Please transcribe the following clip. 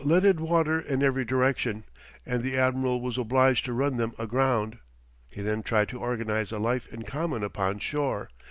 ] The caravels let in water in every direction, and the admiral was obliged to run them aground; he then tried to organize a life in common upon shore.